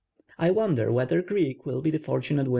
T wonder whether Greek will be the fortunate winner?